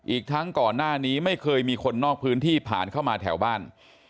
อีกทั้งก่อนหน้านี้ไม่เคยมีคนนอกพื้นที่ผ่านเข้ามาแถวบ้าน